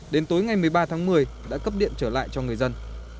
đến tối ngày một mươi ba tháng một mươi đã cấp điện trở lại cho người dân